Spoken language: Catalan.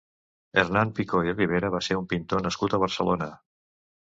Hernan Picó i Ribera va ser un pintor nascut a Barcelona.